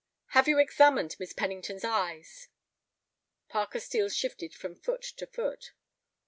"Have you examined Miss Pennington's eyes?" Parker Steel shifted from foot to foot.